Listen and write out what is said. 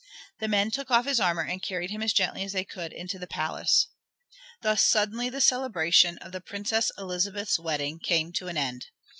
The men took off his armor and carried him as gently as they could into the palace. Thus suddenly the celebrations of the Princess Elizabeth's wedding came to an end.